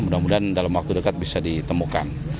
mudah mudahan dalam waktu dekat bisa ditemukan